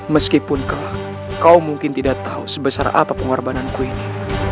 meskipun kelak kau mungkin tidak tahu sebesar apa pengorbananku ini